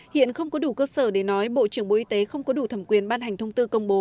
hiện không có đủ cơ sở để nói bộ trưởng bộ y tế không có đủ thẩm quyền ban hành thông tư công bố